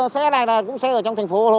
xe này là cũng xe ở trong thành phố hồ lộ